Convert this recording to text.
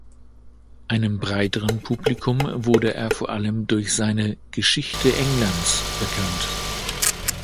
Einem breiteren Publikum wurde er vor allem durch seine "Geschichte Englands" bekannt.